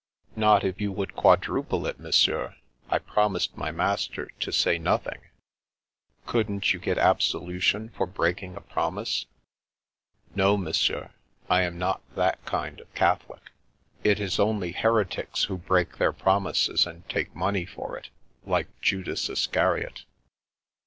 " Not if you would quadruple it, Monsieur. I promised my master to say nothing." " Couldn't you get absolution for breaking a promise ?"" No, Monsieur. I am not that kind of Catholic. 3i6 The Princess Passes It is only heretics who break their promises, and take money for it — ^like Judas Iscariot."